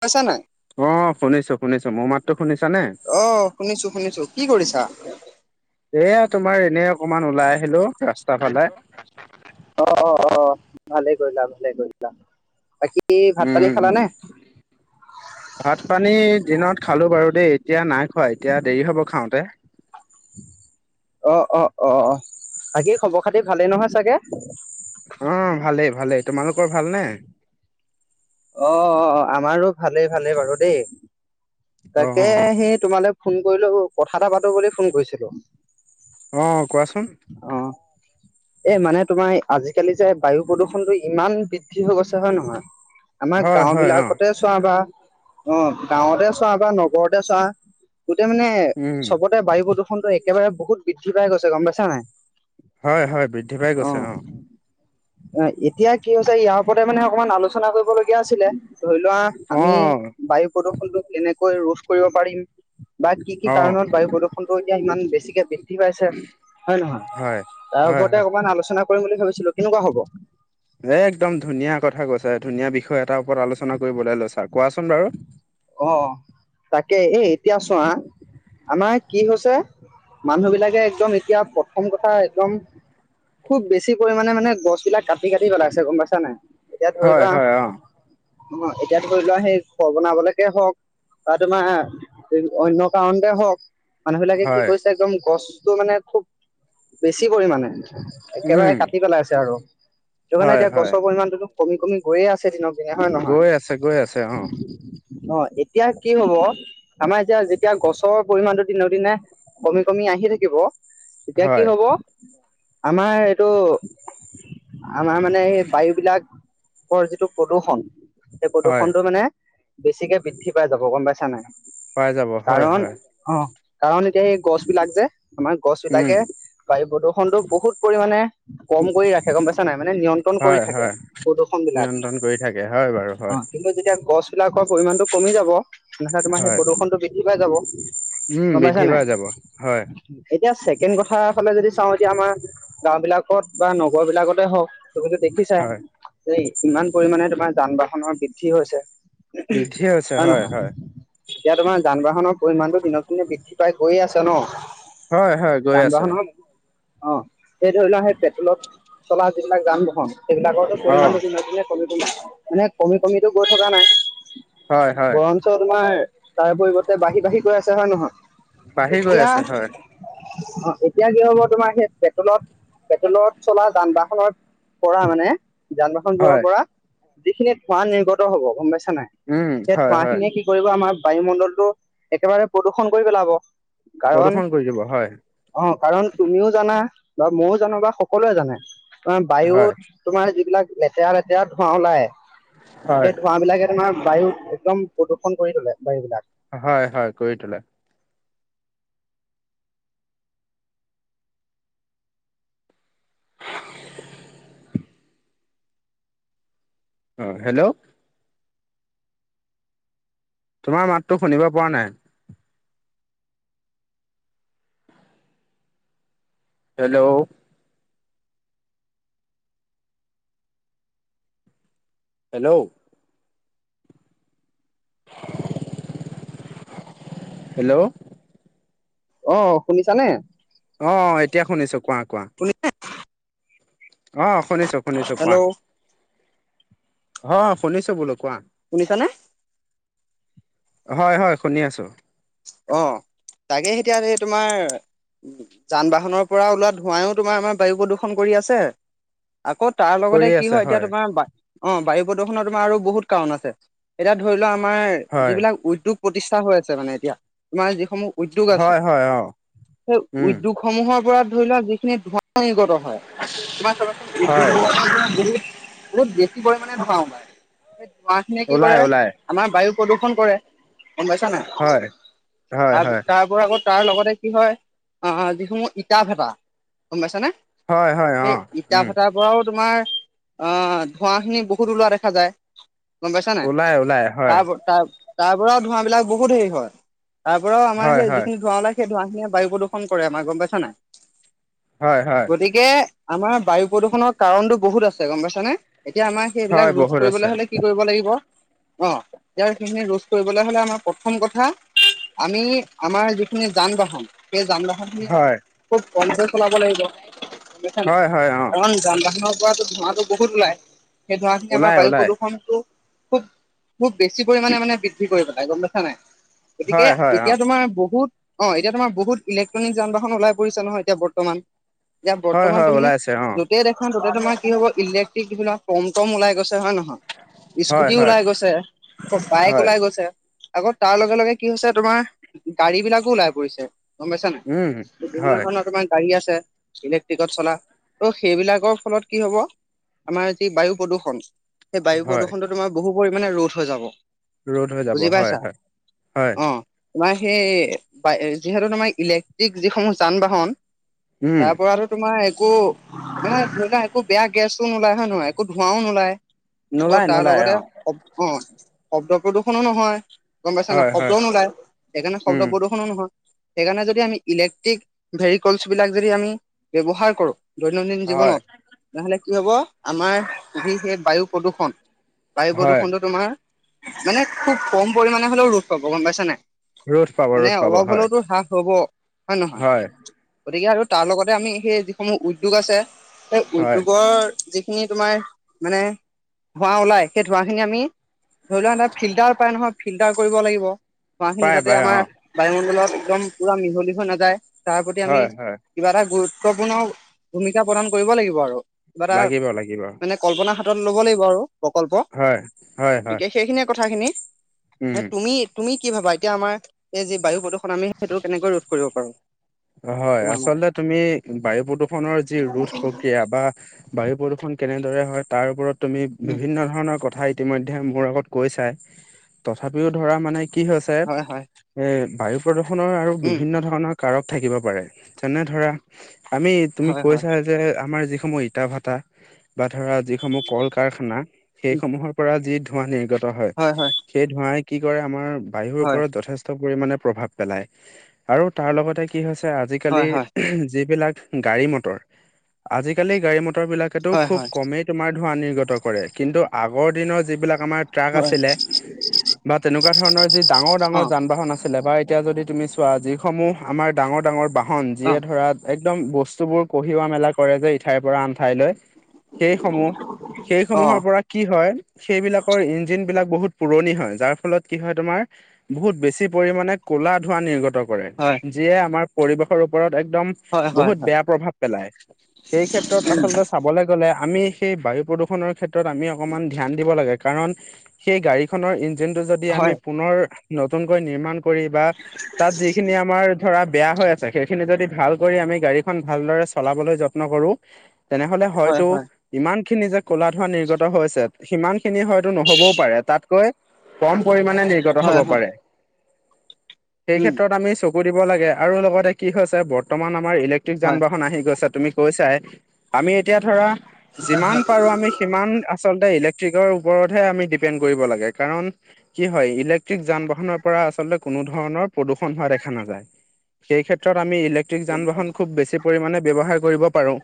পাইছা নাই অ শুনিছো শুনিছো মোৰ মাতটো শুনিছা নে অ শুনিছো শুনিছো কি কৰিছা এয়া তোমাৰ এনেই অকণমান ওলাই আহিলো ৰাস অ অ অ ভালে কৰিলা ভালে কৰিলা বাকী ভাত উম পানী উম খালানে? ভাত পানী দিনত খালো বাৰু দেই এতিয়া নাই খোৱা এতিয়া দেৰি হ'ব খাওঁতে অ অ অ বাকি খবৰ খাতি ভালেই নহয় চাগে উম ভালেই ভালেই তোমালোকৰ ভালনে অ আমাৰো ভালেই ভালেই বাৰু দেই অ', তাকে অ', সেই তোমালে ফোন কৰিলো কথা এটা পাতো বুলি ফোন কৰিছিলো অ কোৱাচোন এই মানে তোমাৰ আজিকালি যে বায়ু প্ৰদূষণ টো ইমান বৃদ্ধি হৈ গৈছে হয় নহয় আমাৰ হয় গাঁও হয় অ'। বিলাকতে চোৱা বা অ গাঁৱতে চোৱা বা নগৰতে চোৱা গোটেই মানে উম, চবতে বায়ু প্ৰদূষণটো একেবাৰে বহুত বৃদ্ধি পাই গৈছে গম পাইছা নাই হয় হয় বৃদ্ধি পাই গৈছে অ অ এতিয়া কি হৈছে ইয়াৰ ওপতে মানে অকমান আলোচনা কৰিবলগীয়া আছিলে ধৰি লোৱা আমি অ', বায়ু প্ৰদূৰ্ষণটো কেনেকৈ ৰোধ কৰিব পাৰিম বা কি কি অ', কাৰণত বায়ু প্ৰদূৰষণ এতিয়া ইমান বেছিকে বৃদ্ধি পাইছে হয় নে নহয় হয়। তাৰ হয় ওপৰতে হয় অকমান আলোচনা কৰিম বুলি ভাবিছিলো কেনেকুৱা হ'ব এ একদম ধুনীয়া কথা কৈছা ধুনীয়া বিষয় এটা ওপৰত আলোচনা কৰিবলৈ লৈছা কোৱাচোন বাৰু অ অ তাকে এ এতিয়া চোৱা আমাৰ কি হৈছে মানুহ বিলাকে একদম এতিয়া প্ৰথম কথা একদম খুব বেছি পৰিমাণে মানে গছ বিলাক কাটি কাটি পেলাইছে গম পাইছা নাই এতিয়া ধৰি হয় লোৱা হয় অ', এতিয়া ধৰি লোৱা সেই ঘৰ বনাবলৈকে হওঁক বা তোমাৰ অন্য কাৰণতে হওঁক। মানুহ বিলাকে কি হয় কৰিছে, একদম গছটো মানে খুব বেছি পৰিমাণে উম, একেবাৰে কাটি পেলাই আছে আৰু তোৰ মানে হয় এতিয়া হয়। গছৰ পৰিমাণটোতো কমি কমি গৈয়ে আছে দিনক দিনে হয় নহয় গৈ আছে গৈ আছে অ অ এতিয়া কি হব আমাৰ এতিয়া যেতিয়া গছৰ পৰিমানটো দিনক দিনে কমি কমি আহি থাকিব তেতিয়া কি হয় হব আমাৰ এইটো আমাৰ মানে এই বায়ু বিলাকৰ যিটো প্ৰদূৰ্ষন সেই হয় প্ৰদূৰ্ষণটো মানে বেছিকে বৃদ্ধি পাই যাব গম পাইছা নাই পাই যাব হয় কাৰণ হয় অ কাৰণ এতিয়া এই গছ বিলাক যে আমাৰ গছ উম বিলাকে বায়ু প্ৰদূষণটো বহুত পৰিমানে কম কৰি ৰাখে গম পাই ছা নাই মানে নিয়ন্ত্ৰণ কৰি হয় থাকে, হয় প্ৰদূৰ্ষন বিলাক, নিয়ন্ত্ৰণ কৰি থাকে হয় বাৰু অ। হয় কিন্তু যেতিয়া গছ বিলাকৰ পৰিমান টো কমি যাব তেনেহ'লে তোমাৰ সেই হয় প্ৰদূষনটো বৃদ্ধি পাই যাব উম গম পাইছা বৃদ্ধি নাই? পাই যাব হয় এতিয়া ছেকেণ্ড কথা ফালে যদি চাও, এতিয়া আমাৰ গাওঁ বিলাকত বা নগৰ বিলাকতে হওক। তুমিতো দেখিছাই হয় যে ইমান পৰিমানে তোমাৰ যান বাহনৰ বৃদ্ধি হৈছে হয় নহয় এতিয়া তোমাৰ যান বাহনৰ পৰিমণটো দিনক দিনে বৃদ্ধি পাই গৈয়ে আছে ন। হয় হয় গৈ যান আছে বাহন অ, সেই ধৰি লোৱা সেই পেট্ৰলত চলা যিবিলাক যান, বাহন সেইবিলাকৰো অ পৰিমণটো দিনে, দিনে কমি কমি মানে কমি কমিতো গৈ থকা নাই হয় হয় বৰঞ্চ তোমাৰ তাৰ পৰিৱৰ্তে বাঢ়ি বাঢ়ি গৈ আছে হয় নহয় বাঢ়ি গৈ এতিয়া, আছে হয় অ, এতিয়া কি হ'ব তোমাৰ সেইটোৱে। [unintelligible] পেট্ৰলত চলা যান বাহনৰ পৰা মানে যান বাহনবোৰৰ হয় পৰা যিখিনিত ধোৱা নিৰ্গত হ'ব গম পাইছা নাই? উম যে হয় ধোঁৱা হয় খিনিয়ে কি কৰিব, আমাৰ বায়ুমণ্ডলটো একেবাৰে প্ৰদূষন কৰি পেলাব। কাৰণ। প্ৰদূষণ কৰি দিব হয় অ, কাৰণ তুমিও জানা, বা ময়ও জানা বা সকলোৱে জানা তোমাৰ বায়ু হয় তোমাৰ যিবিলাক লেতেৰা লেতেৰা ধোঁৱা ওলাই হয় সেই ধোঁৱা বিলাকে তোমাৰ বায়ু একদম প্ৰদূষণ কৰি তোলে, বায়ু বিলাক। হয় হয় কৰি তোলে [inaudible] অ হেল্ল' তোমাৰ মাততো শুনিব পৰা নাই হেল্ল'? হেল্ল'। [inaudible] হেল্ল'। অ শুনিছানে। অ এতিয়া শুনিছো কোৱা কোৱা। শুনি অ, শুনিচো। হেল্ল'। অ শুনিছো বোলো কোৱা শুনিছানে হয় হয় শুনি আছো অ, তাকে এতিয়া তোমাৰ যান বাহনৰ পৰা ওলোৱা ধোঁৱাইও তোমাৰ আমাৰ বায়ু প্ৰদূষণ কৰি আছে আকৌ তাৰ লগতে কৰি কি আছে হয় এতিয়া তোমাৰ অ বায়ু প্ৰদূষণৰ তোমাৰ আৰু বহুত কাৰণ আছে এতিয়া ধৰি লোৱা আমাৰ হয় যিবিলাক উদ্যোগ প্ৰতিষ্ঠা হৈ আছে মানে। এতিয়া তোমাৰ যিসমূহ উদ্যোগ আছে। হয় হয় অ সেই উম উদ্যোগ সমূহৰ পৰা ধৰি লওক যিখিনি ধঁৱ নিৰ্গত হয় [inaudible] হয় ধোৱা খিনিয়ে কি কৰে আমাৰ বায়ু ওলাই প্ৰদূষন ওলাই কৰে গম পাইছা হয় নে। হয় তাৰ হয় তাৰ পৰা আকৌ তাৰ লগতে কি হয় আহ যিসমূহ ইটা ভাটা গম পাইছানে হয় হয় অ সেই ইটা উম ভটাৰ পৰাও তোমাৰ আহ, ধোঁৱা খিনি বহুত ওলোৱা দেখা যায়। গম পাইছা নে ওলাই নাই ওলাই হয় তাৰ তাৰ তাৰ পৰাও ধোঁৱা বিলাক বহুত হেৰি হয়। তাৰ পৰাও আমাৰ হয় সেই হয় যিখিনি ধোঁৱা ওলাই সেই ধোঁৱাখিনি বায়ু প্ৰদূৰষণ কৰে আমাক গম পাইছ নাই। হয়, হয়। গতিকে আমাৰ বায়ু প্ৰদূষণৰ কাৰণ টো বহুত আছে গম পাইছানে। এতিয়া আমাৰ হয় সেইবিলাক ৰোধ বহুত আছে কৰিবলৈ হলে কি কৰিব লাগিব? অ, এতিয়া সেইখিনি ৰোধ কৰিবলৈ হ'লে আমাৰ প্ৰথম কথা, আমি আমাৰ যিখিনি যান, বাহন সেই যান, বাহন খিনি আমি হয় খুব কমকৈ চলাব লাগিব। বুজিচা নাই, হয় হয় অ কাৰণ যান বাহনৰ পৰাটো ধোৱাটো। টো বহুত ওলাই সেই ধোৱা খিনি আমাৰ ওলাই বায়ু ওলাই প্ৰদূষণটো খুব খুব বেছি পৰিমাণে মানে বৃদ্ধি কৰি পেলাই গম পাইছা নে নাই গতিকে হয় হয় অ এতিয়া তোমাৰ বহুত অ, এতিয়া তোমাৰ বহুত ইলেক্ট্ৰনিক যান, বাহন ওলাই পৰিছে নহয় এতিয়া বৰ্তমান। এতিয়া হয় বৰ্তমান হয় তুমি ওলাইছে অ যত তে দেখা, তাতে তোমাৰ কি হব, ইলেক্ট্ৰিক যিকেইটা টমটম ওলায় গৈছে হয় নহয়? হয় স্কুটি হয় ওলাই গৈছে, ত বাইক হয় ওলাই গৈছে, আকৌ তাৰ লগে, লগে কি হৈছে তোমাৰ, গাড়ী বিলাকো ওলাই পৰিছে। গম পাইছা উম নাই বিভিন্ন হয় ধৰণৰ তোমাৰ গাড়ী আছে ইলেক্ট্ৰিকত চলা ত' সেইবিলাকৰ ফলত কি হ'ব আমাৰ যি বায়ু প্ৰদূষণ। এই বায়ু হয় প্ৰদূষণটো তোমাৰ বহু পৰিমাণে ৰোধ হৈ যাব ৰোধ হৈ যাব বুজি পাইছা হয়- হয় - হয়। অ তোমাৰ সেই বা যিহেতু তোমাৰ ইলেক্ট্ৰিক যিসমূহ যান বাহন উম তাৰ পৰাতো তোমাৰ একো মানে ধৰি লোৱা একো বেয়া গেছো নোলায় হয় নহয়? একো ধোঁৱাও নোলায়। আকৌ নোলায় তাৰ নোলায় লগতে অ শপ অ শব্দ প্ৰদূষণো নহয় গম পাইছা না হয় হয় শব্দও নোলায় সেইকাণে শব্দ উম প্ৰদূশনো নহয় সেইকাণে, যদি আমি ইলেক্ট্ৰিক ভেৰিকলছ বিলাক যদি আমি ব্যৱহাৰ কৰোঁ। দৈনন্দিন হয় জীৱনত তেনেহ'লে কি হ'ব আমাৰ যি সেই বায়ু প্ৰদূষণ। বায়ু হয় প্ৰদূষণটো তোমাৰ মানে খুব কম পৰিমাণে হলেও ৰোধ পাব গম পাইছা নাই ৰ'দ পাব মানে ৰ'দ পাব অলপ হয় হ'লেওতো হ্ৰাস হ'ব হয়, নহয় গতিকে আৰু তাৰ লগতে আমি সেই যিসমূহ উদ্যোগ আছে। এই হয় উদ্যোগৰ যিখিনি তোমাৰ মানে ধোঁৱা ওলাই সেই ধোঁৱা খিনি আমি ধৰি লোৱা এটা ফিল্টাৰ পাই নহয় ফিল্টাৰ কৰিব লাগি ব ধোৱাখিনি পায় যাতে পায় আমাৰ অ বায়ুমণ্ডলত একদম পুৰা মিহলি হৈ নাযায় তাৰ প্ৰতি আমি হয় হয় কিবা এটা গুৰুত্বপূৰ্ণ ভূমিকা প্ৰদান কৰিব লাগিব আৰু। কিবা এটা লাগিব লাগিব মানে কল্পনা হাতত ল'ব লাগিব আৰু। প্ৰকল্প, হয় হয় হয় গতিকে সেইখিনিয়ে কথাখিনি। এ উম তুমি তুমি কি ভাবা এতিয়া আমাৰ এই যি বায়ু প্ৰদূষণ আমি সেইটো কেনেকৈ ৰোধ কৰিব পাৰো হয় তোমাৰ মতে আচলতে তুমি বায়ু প্ৰদূৰষণৰ যি ৰোধ প্ৰক্ৰিয়া বা বায়ু প্ৰদূষণ কেনেদৰে হয় তাৰ ওপৰত তুমি উম বিভিন্ন ধৰণৰ কথা ই ইতিমধ্যে মোৰ আগত কৈছাই তথাপিও ধৰা মানে কি হৈছে হয় হয় এ বায়ু প্ৰদূষণৰ আৰু উম বিভিন্ন ধৰণৰ কাৰক। থাকিব পাৰে। যেনে ধৰা, আমি তুমি হয় হয় কৈছা। যে আমাৰ যিসমূহ ইটা ভাটা বা ধৰা, যিসমূহ কল কাৰখানা উম সেইসমূহৰ পৰা যি ধোঁৱা নিৰ্গত হয়। সেই ধোঁৱাই কি কৰে আমাৰ বায়ুৰ হয় ওপৰত যথেষ্ট ষ্ঠ পৰিমাণে প্ৰভাৱ পেলায় আৰু তাৰ লগতে কি হৈছে আজিকালি হয় হয় যিবিলাক গাড়ী মটৰ আজিকালি গাড়ী মটৰ বিলাকেতো হয় খুব হয় কমেই তোমাৰ ধোঁৱা নিৰ্গত কৰে কিন্তু আগৰ দিনৰ যিবিলাক আমাৰ ট্ৰাক হয় আছিলে বা তেনেকুৱা ধৰণৰ যি ডাঙৰ অ ডাঙৰ যান বাহন আছিলে বা এতিয়া যদি তুমি চোৱা যিসমূহ আমাৰ ডাঙৰ ডাঙৰ বাহন অ যিয়ে ধৰা একদম বস্তুবোৰ কঢ়িওৱা মেলা কৰে যে ইঠাইৰ পৰা আন ঠাইলৈ সেই সমূহ সেই অ সমূহৰ পৰা কি হয় সেইবিলাকৰ ইঞ্জিন বিলাক বহুত পুৰণি হয় যাৰ ফলত কি হয় তোমাৰ বহুত বেছি পৰিমণে কলা ধোঁৱা নিৰ্গত কৰে হয় যিয়ে আমাৰ পৰিৱেশৰ ওপৰত একদম হয় হয় বহুত বেয়া প্ৰভাৱ পেলাই। সেই ক্ষেত্ৰত আচলতে চাবলৈ- গলে আমি সেই বায়ু প্ৰদূষণৰ ক্ষেত্ৰত আমি অকমান ধ্যান দিব লাগে। কাৰণ সেই গাড়ী- ইঞ্জিনটো যদি আমি হয় পুনৰ নতুনকৈ নিৰ্মাণ কৰি বা তাত যিখিনি আমাৰ- ধৰা বেয়া হৈ আছে, সেইখিনি যদি ভাল কৰি আমি গাড়ীখন ভালদৰে চলাবলৈ যত্ন কৰো- তেনেহলে হয় হয়তো- হয় হয় ইমান খিনি যে কলা ধোৱা নিৰ্গত হৈছে, সিমান খিনি হয়তো নহবওঁ পাৰে। তাতকৈ- কম পৰিমাণে নিৰ্গত হয় হব হয় পাৰে। সেই উম ক্ষেত্ৰত আমি চকু দিব লাগে আৰু লগতে কি হৈছে বৰ্তমান আমাৰ ইলেক্ট্ৰিক যান হয় বাহন আহি গৈছে, তুমি- কৈ চাই, আমি এতিয়া ধৰা যিমান পাৰো আমি- সিমান আচলতে ইলেক্ট্ৰিকৰ ওপৰতহে আমি ডিপেণ্ড কৰিব লাগে। কাৰণ- কি হয়, ইলেক্ট্ৰিক যান বাহনৰ পৰা আচলতে কোনো ধৰণৰ প্ৰদূষণ হোৱা দেখা নাযায়। সেই ক্ষেত্ৰত আমি ইলেক্ট্ৰিক যান বাহন খুব বেছি- পৰিমাণে ব্যৱহাৰ কৰিব পাৰো।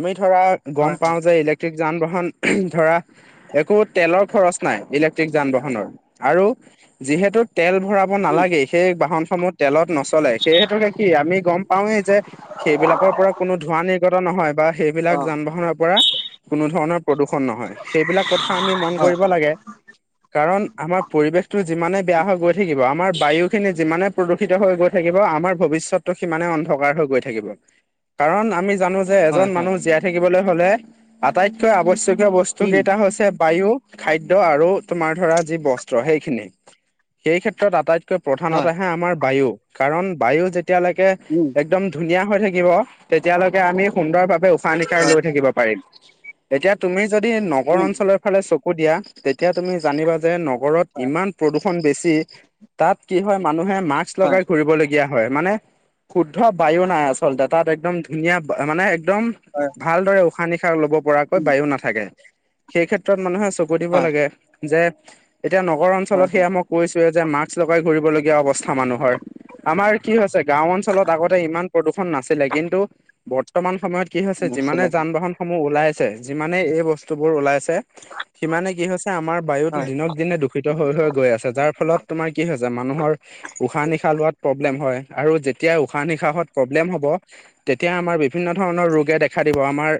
আমি ধৰা গম হয় হয় পাওঁ যে ইলেক্ট- ঠিক যান বাহন ধৰা- একো তেলৰ খৰচ নাই ইলেক্ট্ৰিক যান বাহনৰ আৰু যিহেতু- তেল ভৰাব উম নালাগেই, সেই বাহনসমূহ তেলত নচলে। সেই হেতুকে কি আমি গম পাওঁৱেই যে- সেইবিলাকৰ পৰা কোনো ধোঁৱা নিৰ্গত নহয় বা- সেইবিলাক অ যান বাহনৰ পৰা কোনো ধৰণৰ প্ৰদূষণ নহয়। সেইবিলাক কথা আমি মন হয় কৰিব লাগে। কাৰণ আমাৰ পৰিৱেশতটো যিমানে বেয়া হৈ গৈ থাকিব, আমাৰ বায়ু খিনি যিমানে- প্ৰদূষিত হৈ গৈ থাকিব আমাৰ ভৱিষ্যতটো সিমানে অন্ধকাৰ হৈ গৈ থাকিব। কাৰণ আমি জানো- যে হয় এজন হয় মানুহ জীয়াই থাকিবলৈ হলে আটাইতকৈ আৱশ্যকীয় বস্তু উম কেইটা হৈছে বায়ু- খাদ্য আৰু তোমাৰ ধৰা যি বস্ত্ৰ সেইখিনি, সেই ক্ষেত্ৰত আটাইতকৈ প্ৰধান হয় এটা- হে আমাৰ বায়ু। কাৰণ বায়ু যেতিয়ালৈকে- উম। একদম ধুনীয়া হৈ থাকিব তেতিয়ালৈকে আমি সুন্দৰ ভাৱে উশাহ নিশাহ হয় লৈ থাকিব পাৰিম। এতিয়া তুমি যদি নগৰ উম অঞ্চলৰ ফালে চকু দিয়া তেতিয়া তুমি জানিবা যে নগৰত হয় ইমান- প্ৰদূষণ বেছি, তাত কি হয় মানুহে মাস্ক হয় লগাই ঘুৰিব লগীয়া- হয়। মানে তাত শুদ্ধ বায়ু নাই আচলতে। তাত একদম ধুনীয়া মানে একদম- হয়। ভালদৰে উশাহ নিশাহ লব পৰাকৈ উম বায়ু নাথাকে। সেই ক্ষেত্ৰত মানুহে চকু দিব হয় লাগে। যে এতিয়া নগৰ অঞ্চলত হয় হয় সেয়া মই কৈছোৱে যে মাস্ক লগাই ঘুৰিবলগীয়া অৱস্থা মানুহৰ। আমাৰ কি হৈছে গাঁও অঞ্চলত আগতে ইমান প্ৰদূষণ নাছিলে, কিন্তু বৰ্তমান সময়ত- কি হৈছে যিমানে আছিলে যান বাহন সমূহ ওলাইছে, যিমানে এই বস্তু বোৰ ওলাইছে- সিমানে কি হৈছে আমাৰ বায়ুতটো হয় দিনক দিনে দূষিত হৈ হৈ গৈ আছে। যাৰ ফলত তোমাৰ কি হৈছে মানুহৰ- উশাহ নিশাহ লোৱাত প্ৰব্লেম হয় আৰু যেতিয়া উশাহ নিশাহত প্ৰব্লেম হ'ব- তেতিয়া আমাৰ বিভিন্ন ধৰণৰ ৰোগে দেখা দিব। আমাৰ-